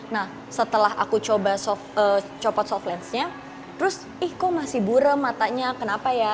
nah setelah aku coba copot soft lensnya terus ih kok masih burem matanya kenapa ya